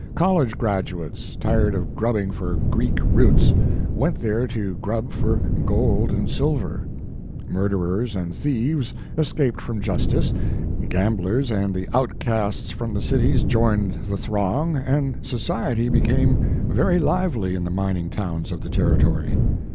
College graduates, tired of grubbing for Greek roots, went there to grub for gold and silver. Murderers and thieves, es caped from justice, gamblers and the outcasts from the cities joined the throng and society became very lively in the mining towns of the territory.